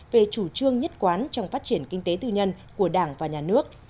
về chủ trương nhất quán trong phát triển kinh tế tư nhân của đảng và nhà nước